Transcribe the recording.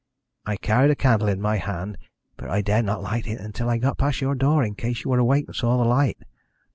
I carried a candle in my hand, but I dared not light it until I got past your door, in case you were awake and saw the light.